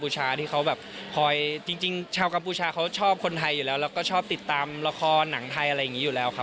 ที่เขาแบบคอยจริงชาวกัมพูชาเขาชอบคนไทยอยู่แล้วแล้วก็ชอบติดตามละครหนังไทยอะไรอย่างนี้อยู่แล้วครับ